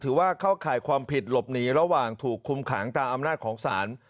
เข้าข่ายความผิดหลบหนีระหว่างถูกคุมขังตามอำนาจของศาล